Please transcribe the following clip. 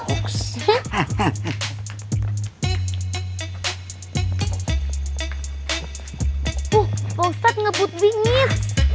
oh opa ustadz ngebut bingit